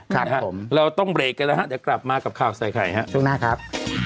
ครับผมเราต้องเบรกกันแล้วฮะเดี๋ยวกลับมากับข่าวใส่ไข่ฮะช่วงหน้าครับ